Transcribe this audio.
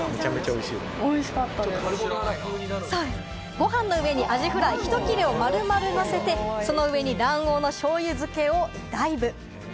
ご飯の上にアジフライひと切れを丸々のせて、その上に卵黄の醤油漬けをダイブ。